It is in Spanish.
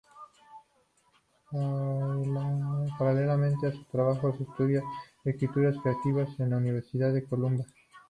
Paralelamente a sus trabajos, estudiaba escritura creativa en la Universidad de Columbia.